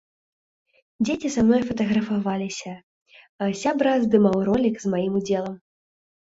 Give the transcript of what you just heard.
Дзеці са мной фатаграфаваліся, сябра здымаў ролік з маім удзелам.